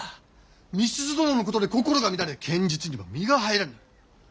美鈴殿のことで心が乱れ剣術にも身が入らぬ。